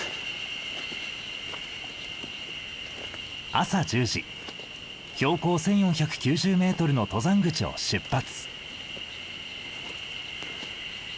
朝１０時標高１，４９０ｍの登山口を出発。